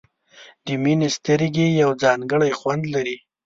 د مینې سترګې یو ځانګړی خوند لري.